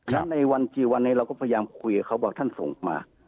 แล้วในวันกี่วันนี้เราก็พยายามคุยกับเขาบอกท่านส่งมา